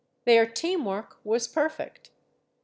Their team work was perfect.